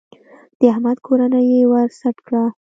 د احمد کورنۍ يې ور سټ کړه.